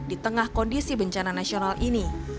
di tengah kondisi bencana nasional ini